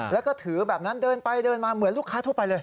แล้วก็ถือแบบนั้นเดินไปเดินมาเหมือนลูกค้าทั่วไปเลย